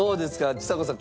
ちさ子さん